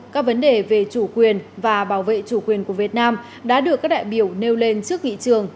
các vấn đề về chủ quyền và bảo vệ chủ quyền của việt nam đã được các đại biểu nêu lên trước nghị trường